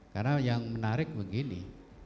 karena yang menarik begini